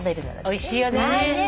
おいしいよね。